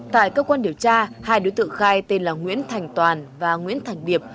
tại cơ quan điều tra hai đối tượng khai tên là nguyễn thành toàn và nguyễn thành điệp